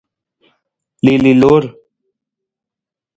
Liili loor.